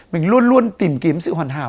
mình luôn luôn tìm kiếm sự hoàn hảo